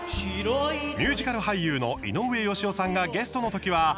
ミュージカル俳優の井上芳雄さんがゲストの時は。